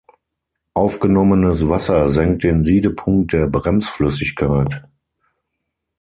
Aufgenommenes Wasser senkt den Siedepunkt der Bremsflüssigkeit.